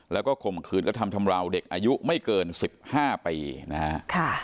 แล้วก็ข่มขืนกระทำชำราวเด็กอายุไม่เกิน๑๕ปีนะฮะ